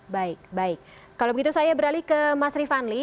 baik baik kalau begitu saya beralih ke mas rifanli